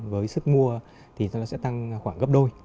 với sức mua thì sẽ tăng khoảng gấp đôi